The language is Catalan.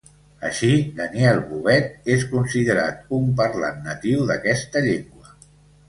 Així, Daniel Bovet és considerat un parlant natiu d'aquesta llengua.